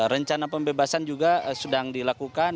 rencana pembebasan juga sedang dilakukan